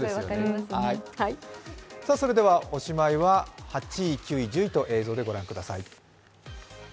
おしまいは８位、９位、１０位と映像でご覧ください。